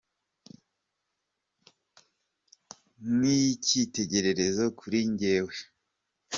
nk’icyitegererezo kuri njyewe.